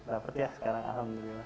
dapat ya sekarang alhamdulillah